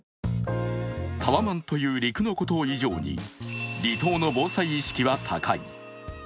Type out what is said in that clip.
タワマンという陸の孤島以上に、離島の防災意識は高い。